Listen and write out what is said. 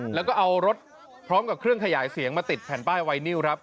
แล้วก็เอารถพร้อมกับเครื่องขยายเสียงมาติดแผ่นป้ายไวนิวครับ